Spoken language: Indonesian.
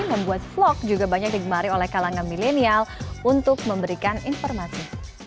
membuat vlog juga banyak digemari oleh kalangan milenial untuk memberikan informasi